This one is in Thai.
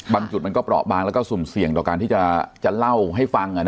บางจุดมันก็เบลอบังและซุ่มเสี่ยงต่อการที่จะเล่าให้ฟัง